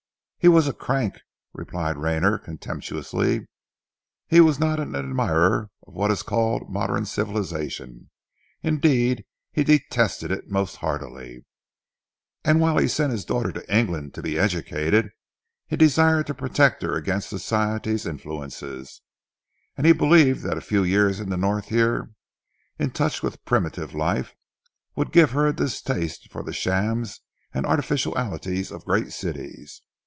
"He was a crank!" replied Rayner contemptuously. "He was not an admirer of what is called modern civilization indeed, he detested it most heartily and whilst he sent his daughter to England to be educated, he desired to protect her against society influences; and he believed that a few years in the North here, in touch with primitive life, would give her a distaste for the shams and artificialities of great cities.